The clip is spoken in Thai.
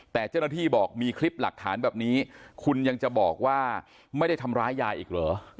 แต่เจ้าหน้าที่บอกมีคลิปหลักฐานแบบนี้คุณยังจะบอกว่าไม่ได้ทำร้ายยายอีกเหรอ